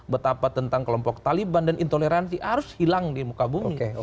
betapa tentang kelompok taliban dan intoleransi harus hilang di muka bumi